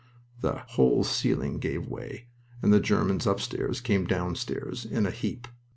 The whole ceiling gave way, and the Germans upstairs came downstairs, in a heap.